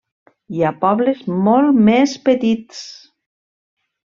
Hi ha pobles molt més petits.